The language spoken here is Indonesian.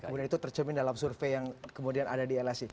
kemudian itu tercermin dalam survei yang kemudian ada di lsi